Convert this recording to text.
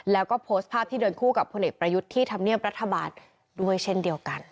แล้วก็โพสต์ภาพที่เดินคู่กับพลเอกประยุทธ์ที่ธรรมเนียบรัฐบาลด้วยเช่นเดียวกัน